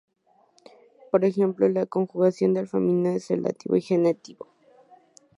Por ejemplo, la conjugación del femenino en el dativo y genitivo.